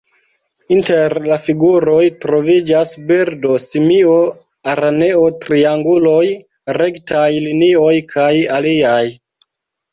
Inter la figuroj troviĝas birdo, simio, araneo, trianguloj, rektaj linioj kaj aliaj.